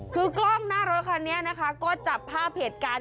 คือกล้องหน้ารถคันนี้นะคะก็จับภาพเหตุการณ์